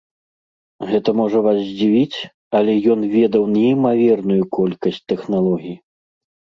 Гэта можа вас здзівіць, але ён ведаў неймаверную колькасць тэхналогій.